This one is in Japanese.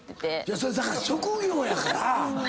それだから職業やから。